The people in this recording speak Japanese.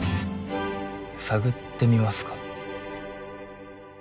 探ってみますか。